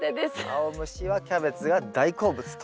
アオムシはキャベツが大好物と。